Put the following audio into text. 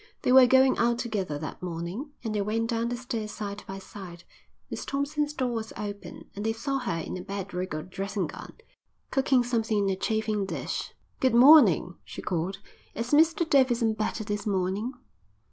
They were going out together that morning, and they went down the stairs side by side. Miss Thompson's door was open, and they saw her in a bedraggled dressing gown, cooking something in a chafing dish. "Good morning," she called. "Is Mr Davidson better this morning?"